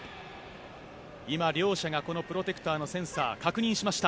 今、両者がこのプロテクターのセンサーを確認しました。